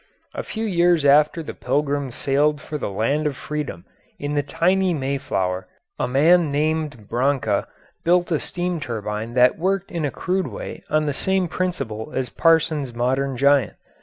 [Illustration: THE ENGINES OF THE ARROW] A few years after the Pilgrims sailed for the land of freedom in the tiny Mayflower a man named Branca built a steam turbine that worked in a crude way on the same principle as Parsons's modern giant.